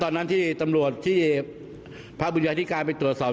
ตอนนั้นที่ตำรวจที่พระบุญญาธิการไปตรวจสอบ